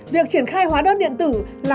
việc triển khai hóa đơn điện tử là